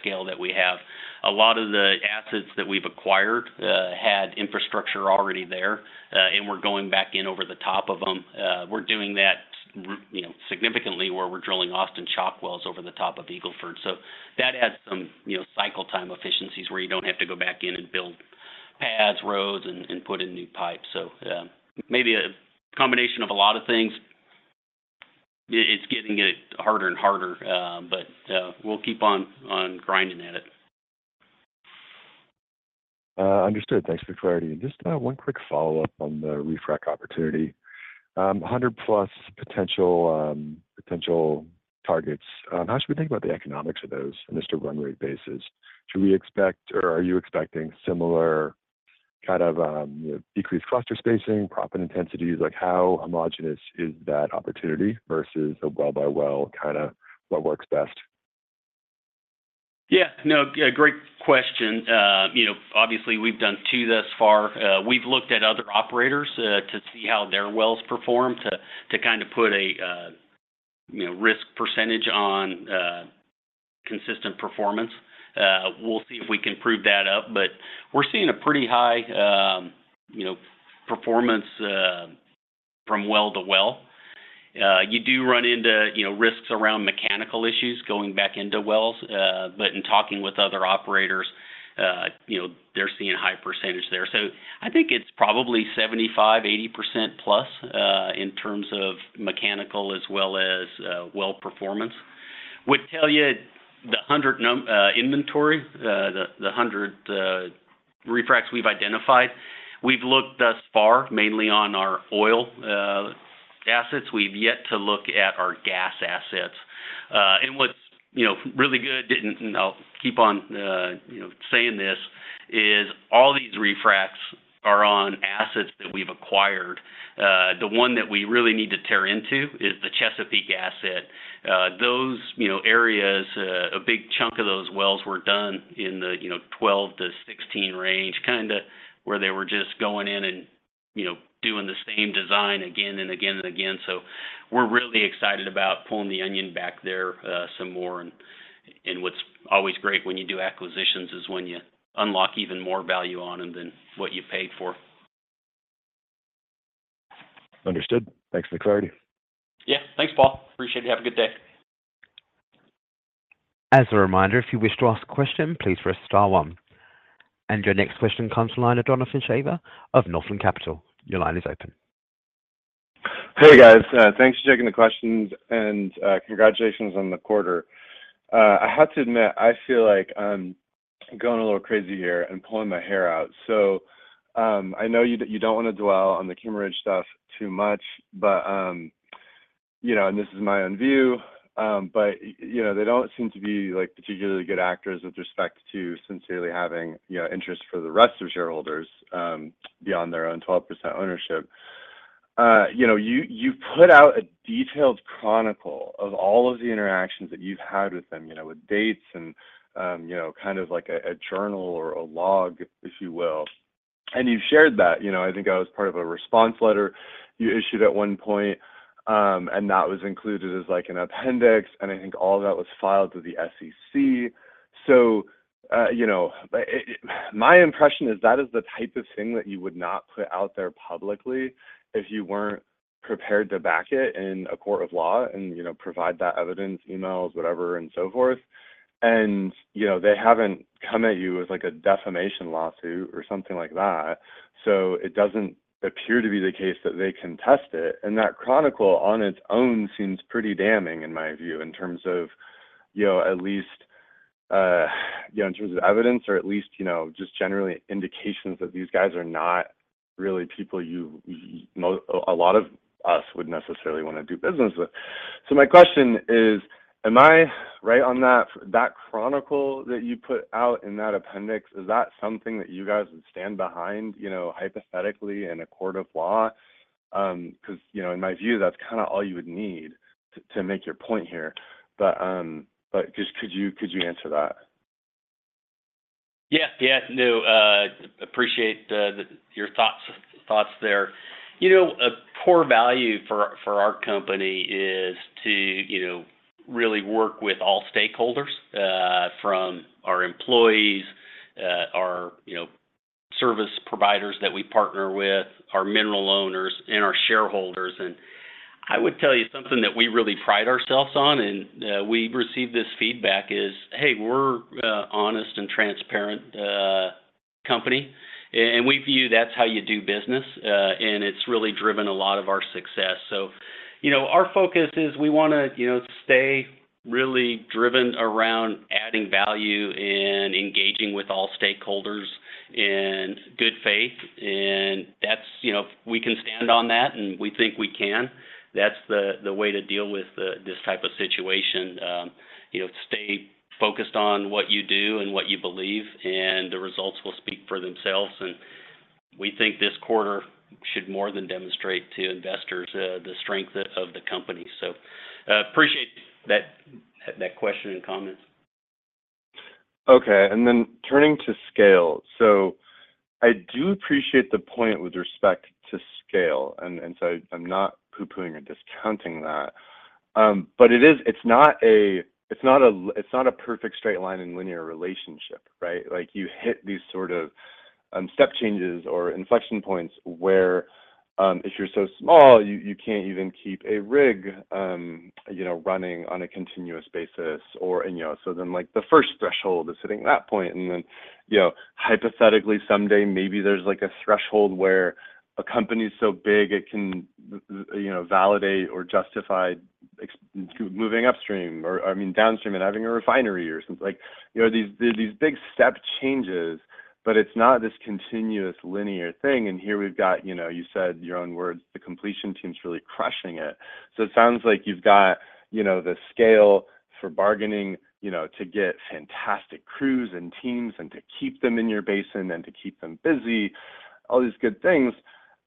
scale that we have. A lot of the assets that we've acquired had infrastructure already there, and we're going back in over the top of them. We're doing that, you know, significantly, where we're drilling Austin Chalk wells over the top of Eagle Ford. So that adds some, you know, cycle time efficiencies where you don't have to go back in and build pads, roads, and put in new pipes. So, maybe a combination of a lot of things. It's getting harder and harder, but we'll keep on grinding at it. Understood. Thanks for the clarity. Just one quick follow-up on the refrac opportunity. 100+ potential targets. How should we think about the economics of those on just a run rate basis? Should we expect or are you expecting similar kind of decreased cluster spacing, proppant intensities? Like, how homogeneous is that opportunity versus a well-by-well, kinda what works best? Yeah, no, a great question. You know, obviously, we've done 2 thus far. We've looked at other operators to see how their wells perform to kind of put a you know, risk percentage on consistent performance. We'll see if we can prove that up, but we're seeing a pretty high you know, performance from well to well. You do run into you know, risks around mechanical issues going back into wells. But in talking with other operators you know, they're seeing a high percentage there. So I think it's probably 75-80% plus in terms of mechanical as well as well performance. Would tell you the 100 inventory, the 100 refracs we've identified, we've looked thus far, mainly on our oil assets. We've yet to look at our gas assets. And what's, you know, really good, and, and I'll keep on, you know, saying this, is all these refracs are on assets that we've acquired. The one that we really need to tear into is the Chesapeake asset. Those, you know, areas, a big chunk of those wells were done in the, you know, 12-16 range, kinda where they were just going in and, you know, doing the same design again and again and again. So we're really excited about pulling the onion back there, some more. And, and what's always great when you do acquisitions is when you unlock even more value on them than what you paid for. Understood. Thanks for the clarity. Yeah. Thanks, Paul. Appreciate it. Have a good day. As a reminder, if you wish to ask a question, please press star one. Your next question comes from the line of Donovan Schafer of Northland Capital Markets. Your line is open. Hey, guys, thanks for taking the questions, and, congratulations on the quarter. I have to admit, I feel like I'm going a little crazy here and pulling my hair out. So, I know you, you don't wanna dwell on the Kimmeridge stuff too much, but, you know, and this is my own view, but, you know, they don't seem to be like, particularly good actors with respect to sincerely having, you know, interest for the rest of shareholders, beyond their own 12% ownership. You know, you, you put out a detailed chronicle of all of the interactions that you've had with them, you know, with dates and, you know, kind of like a, a journal or a log, if you will. And you've shared that, you know, I think that was part of a response letter you issued at one point, and that was included as, like, an appendix, and I think all of that was filed with the SEC. So, you know, my impression is that is the type of thing that you would not put out there publicly if you weren't prepared to back it in a court of law and, you know, provide that evidence, emails, whatever, and so forth. And, you know, they haven't come at you with, like, a defamation lawsuit or something like that, so it doesn't appear to be the case that they can test it. That chronicle on its own seems pretty damning, in my view, in terms of, you know, at least, you know, in terms of evidence or at least, you know, just generally indications that these guys are not really people you a lot of us would necessarily wanna do business with. So my question is, am I right on that, that chronicle that you put out in that appendix, is that something that you guys would stand behind, you know, hypothetically in a court of law? 'Cause, you know, in my view, that's kinda all you would need to, to make your point here. But just could you, could you answer that? Yeah. Yeah, no, appreciate your thoughts there. You know, a core value for our company is to, you know, really work with all stakeholders, from our employees, our, you know, service providers that we partner with, our mineral owners, and our shareholders. And I would tell you something that we really pride ourselves on, and we receive this feedback, is, hey, we're an honest and transparent company, and we view that's how you do business. And it's really driven a lot of our success. So, you know, our focus is we wanna, you know, stay really driven around adding value and engaging with all stakeholders in good faith, and that's—you know, if we can stand on that, and we think we can, that's the way to deal with this type of situation. You know, stay focused on what you do and what you believe, and the results will speak for themselves. And we think this quarter should more than demonstrate to investors, the strength of the company. So, appreciate that question and comments. Okay, and then turning to scale. So I do appreciate the point with respect to scale, and so I'm not pooh-poohing or discounting that. But it is—it's not a perfect straight line in linear relationship, right? Like, you hit these sort of step changes or inflection points where if you're so small, you can't even keep a rig you know running on a continuous basis or... And you know, so then, like, the first threshold is hitting that point, and then you know, hypothetically, someday, maybe there's like a threshold where a company is so big it can you know validate or justify moving upstream or, I mean, downstream and having a refinery or something. Like you know, these these big step changes, but it's not this continuous linear thing. And here we've got, you know, you said your own words, "The completion team's really crushing it." So it sounds like you've got, you know, the scale for bargaining, you know, to get fantastic crews and teams and to keep them in your basin and to keep them busy, all these good things.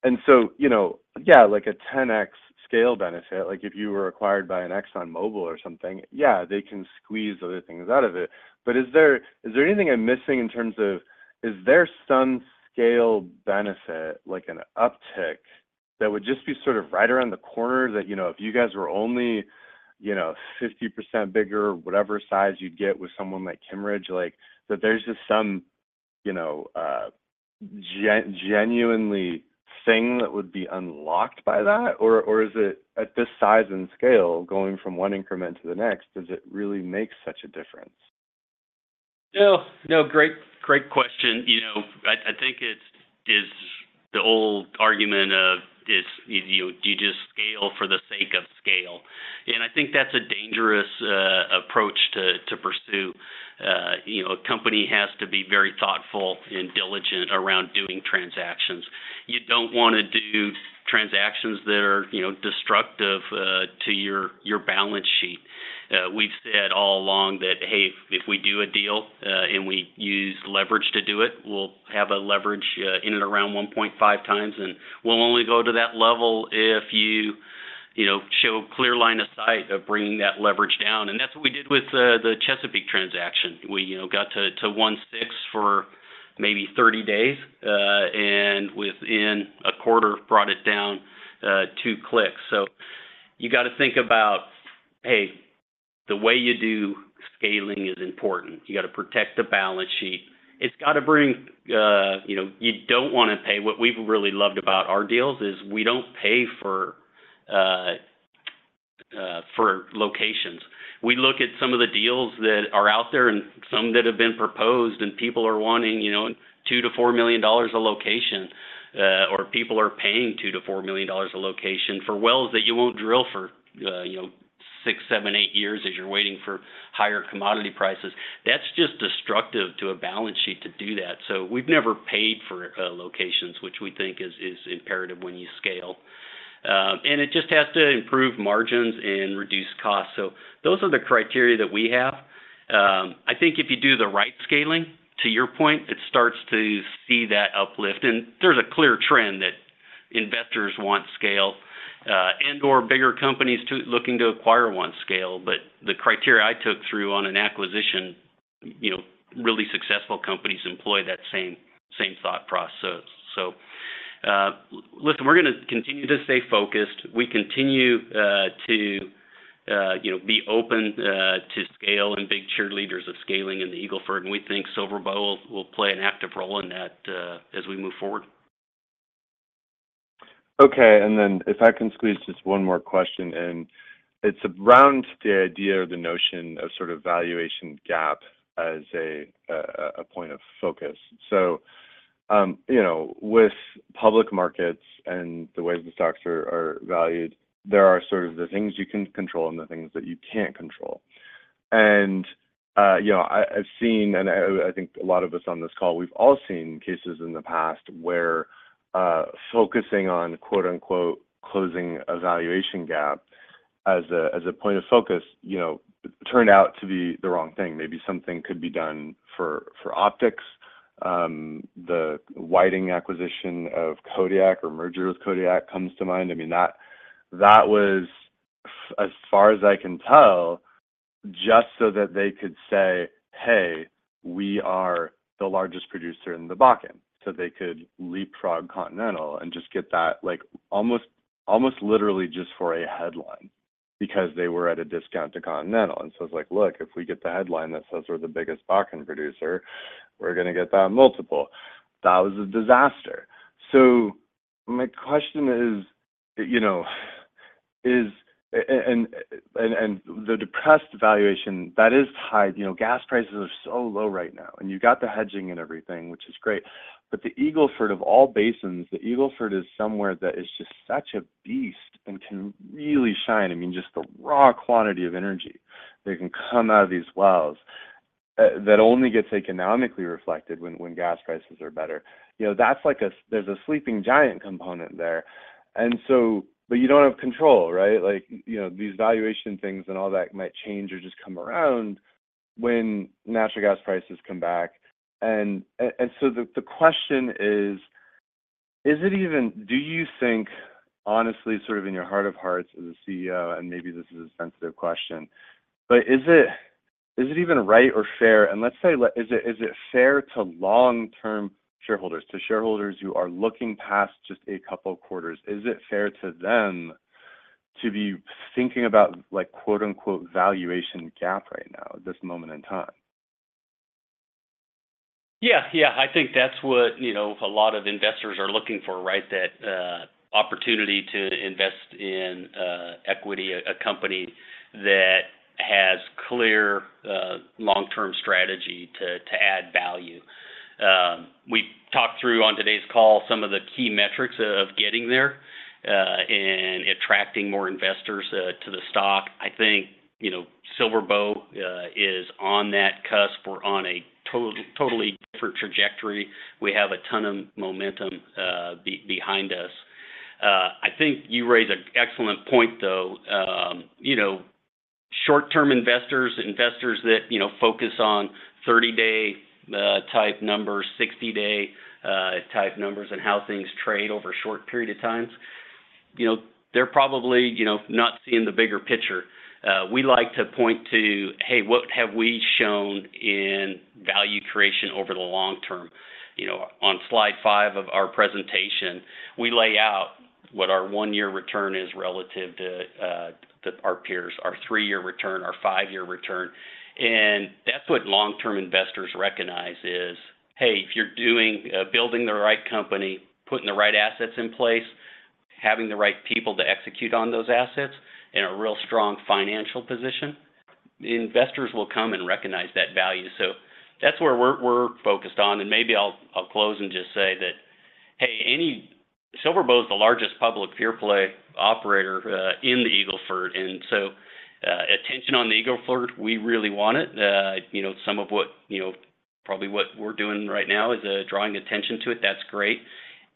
And so, you know, yeah, like a 10x scale benefit, like, if you were acquired by an ExxonMobil or something, yeah, they can squeeze other things out of it. But is there, is there anything I'm missing in terms of, is there some scale benefit, like an uptick, that would just be sort of right around the corner that, you know, if you guys were only, you know, 50% bigger, whatever size you'd get with someone like Kimmeridge, like, that there's just some, you know, genuinely thing that would be unlocked by that? Or, or is it at this size and scale, going from one increment to the next, does it really make such a difference? No, no, great, great question. You know, I think it's the old argument of, you know, do you just scale for the sake of scale? And I think that's a dangerous approach to pursue. You know, a company has to be very thoughtful and diligent around doing transactions. You don't wanna do transactions that are, you know, destructive to your balance sheet. We've said all along that, hey, if we do a deal and we use leverage to do it, we'll have a leverage in and around 1.5 times, and we'll only go to that level if you show clear line of sight of bringing that leverage down. And that's what we did with the Chesapeake transaction. We, you know, got to 1.6 for maybe 30 days, and within a quarter, brought it down 2 clicks. So you gotta think about, hey, the way you do scaling is important. You gotta protect the balance sheet. It's gotta bring. You know, you don't wanna pay. What we've really loved about our deals is we don't pay for locations. We look at some of the deals that are out there and some that have been proposed, and people are wanting, you know, $2 million-$4 million a location, or people are paying $2 million-$4 million a location for wells that you won't drill for, you know, 6, 7, 8 years as you're waiting for higher commodity prices. That's just destructive to a balance sheet to do that. So we've never paid for locations, which we think is imperative when you scale. It just has to improve margins and reduce costs. So those are the criteria that we have. I think if you do the right scaling, to your point, it starts to see that uplift, and there's a clear trend that investors want scale and/or bigger companies to looking to acquire one scale. But the criteria I took through on an acquisition, you know, really successful companies employ that same thought process. So listen, we're gonna continue to stay focused. We continue to you know, be open to scale and big cheerleaders of scaling in the Eagle Ford, and we think SilverBow will play an active role in that as we move forward. Okay, and then if I can squeeze just one more question in. It's around the idea or the notion of sort of valuation gap as a point of focus. So, you know, with public markets and the way the stocks are valued, there are sort of the things you can control and the things that you can't control. And, you know, I, I've seen, and I, I think a lot of us on this call, we've all seen cases in the past where focusing on, quote-unquote, "closing a valuation gap" as a point of focus, you know, turned out to be the wrong thing. Maybe something could be done for optics. The Whiting acquisition of Kodiak or merger with Kodiak comes to mind. I mean, that was, as far as I can tell, just so that they could say, "Hey, we are the largest producer in the Bakken." So they could leapfrog Continental and just get that, like, almost literally just for a headline... because they were at a discount to Continental. And so it's like, look, if we get the headline that says we're the biggest Bakken producer, we're gonna get that multiple. That was a disaster. So my question is, you know, and the depressed valuation that is tied, you know, gas prices are so low right now, and you got the hedging and everything, which is great, but the Eagle Ford, of all basins, the Eagle Ford is somewhere that is just such a beast and can really shine. I mean, just the raw quantity of energy that can come out of these wells that only gets economically reflected when gas prices are better. You know, that's like a sleeping giant component there. And so. But you don't have control, right? Like, you know, these valuation things and all that might change or just come around when natural gas prices come back. And so the question is, is it even do you think, honestly, sort of in your heart of hearts as a CEO, and maybe this is a sensitive question, but is it, is it even right or fair? And let's say, like, is it, is it fair to long-term shareholders, to shareholders who are looking past just a couple quarters, is it fair to them to be thinking about, like, quote, unquote, "valuation gap" right now, at this moment in time? Yeah. Yeah, I think that's what, you know, a lot of investors are looking for, right? That opportunity to invest in equity, a company that has clear long-term strategy to add value. We talked through on today's call some of the key metrics of getting there and attracting more investors to the stock. I think, you know, SilverBow is on that cusp. We're on a totally different trajectory. We have a ton of momentum behind us. I think you raise an excellent point, though. You know, short-term investors, investors that, you know, focus on 30-day type numbers, 60-day type numbers, and how things trade over a short period of time, you know, they're probably, you know, not seeing the bigger picture. We like to point to, hey, what have we shown in value creation over the long term? You know, on slide 5 of our presentation, we lay out what our 1-year return is relative to our peers, our 3-year return, our 5-year return. And that's what long-term investors recognize is, hey, if you're doing building the right company, putting the right assets in place, having the right people to execute on those assets, and a real strong financial position, investors will come and recognize that value. So that's where we're, we're focused on. And maybe I'll, I'll close and just say that, hey, anyway SilverBow is the largest public pure-play operator in the Eagle Ford, and so attention on the Eagle Ford, we really want it. You know, some of what, you know, probably what we're doing right now is drawing attention to it. That's great.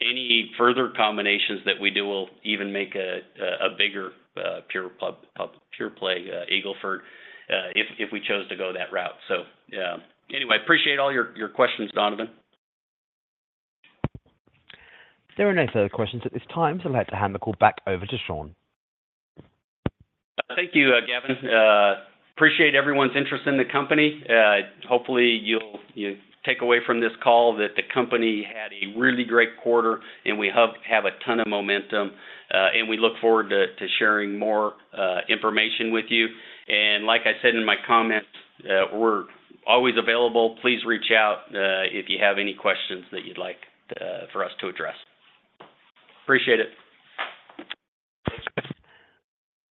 Any further combinations that we do will even make a bigger pure-play Eagle Ford, if we chose to go that route. So, yeah. Anyway, I appreciate all your questions, Donovan. There are no further questions at this time, so I'd like to hand the call back over to Sean. Thank you, Gavin. Appreciate everyone's interest in the company. Hopefully, you'll take away from this call that the company had a really great quarter, and we have a ton of momentum, and we look forward to sharing more information with you. Like I said in my comments, we're always available. Please reach out if you have any questions that you'd like for us to address. Appreciate it.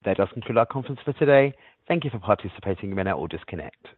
That does conclude our conference for today. Thank you for participating. You may now all disconnect.